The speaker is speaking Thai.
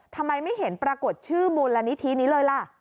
ทำไมไม่เห็นปรากฏชื่อมูลนิธินี้เลยล่ะ